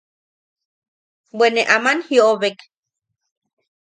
Bwe ne aman jiʼobek.